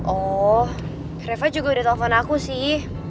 oh reva juga udah telepon aku sih